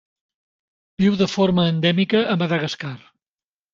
Viu de forma endèmica a Madagascar.